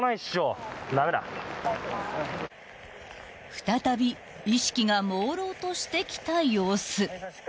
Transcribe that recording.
［再び意識がもうろうとしてきた様子］